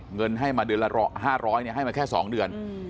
เงินให้มาเดือนละ๕๐๐ให้มาแค่๒เดือน